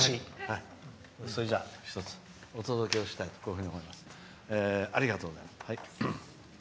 それじゃあ、一つお届けしたいと思います。